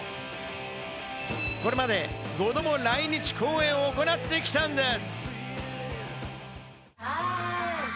これまで５度も来日公演を行ってきたんです。